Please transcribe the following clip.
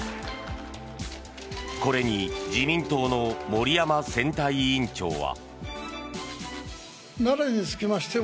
これに自民党の森山選対委員長は。